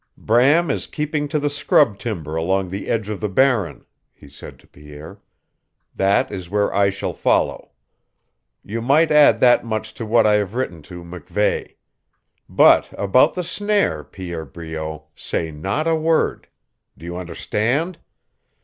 "Bram is keeping to the scrub timber along the edge of the Barren," he said to Pierre. "That is where I shall follow. You might add that much to what I have written to MacVeigh. But about the snare, Pierre Breault, say not a word. Do you understand?